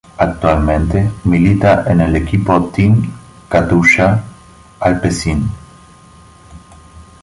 Actualmente milita en el equipo Team Katusha-Alpecin.